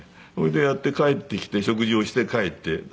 それでやって帰ってきて食事をして帰って。